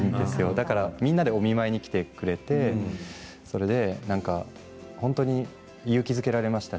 だからみんなでお見舞いに来てくれてそれで勇気づけられました